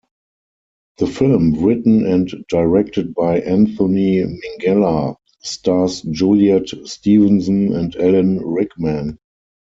The film, written and directed by Anthony Minghella, stars Juliet Stevenson and Alan Rickman.